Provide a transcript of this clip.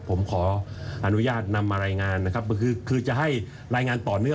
ผมขออนุญาตนำมารายงานนะครับก็คือคือจะให้รายงานต่อเนื่อง